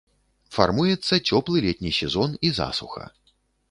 Фармуецца цёплы летні сезон і засуха.